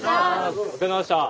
お疲れさまでした。